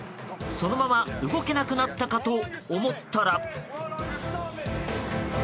そのまま動けなくなったかと思ったら。